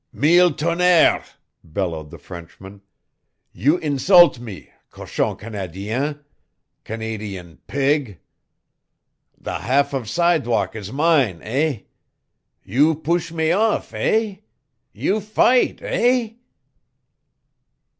"Mille tonnerres!" bellowed the Frenchman. "You insult me, cochon Canadien, Canadian pig! The half of sidewalk is mine, eh? You push me off, eh? You fight, eh?"